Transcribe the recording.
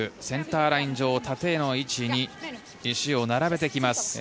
センターライン上縦の位置に石を並べてきます。